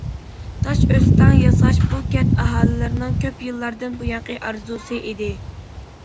تاش ئۆستەڭ ياساش بۇ كەنت ئاھالىلىرىنىڭ كۆپ يىللاردىن بۇيانقى ئارزۇسى ئىدى.